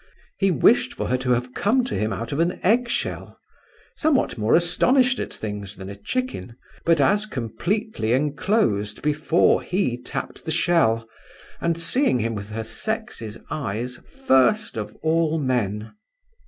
He wished for her to have come to him out of an egg shell, somewhat more astonished at things than a chicken, but as completely enclosed before he tapped the shell, and seeing him with her sex's eyes first of all men.